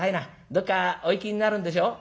どっかお行きになるんでしょ」。